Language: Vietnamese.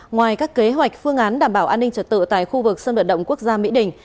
ngoài các kế hoạch phương án đảm bảo an ninh trật tự tại khu vực sân vận động quốc gia mỹ đình